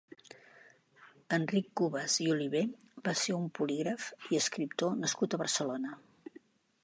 Enric Cubas i Oliver va ser un polígraf i escriptor nascut a Barcelona.